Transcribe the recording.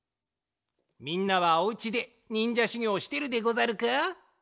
みんなはお家でにんじゃしゅぎょうしてるでござるか？